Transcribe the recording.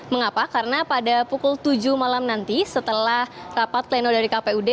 mengapa karena pada pukul tujuh malam nanti setelah rapat pleno dari kpud